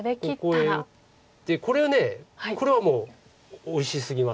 ここへ打ってこれはもうおいしすぎます。